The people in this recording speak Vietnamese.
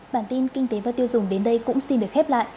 bản tin kinh tế và tiêu dùng đến đây cũng xin được khép lại